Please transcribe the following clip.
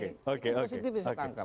ini positif bisa ditangkap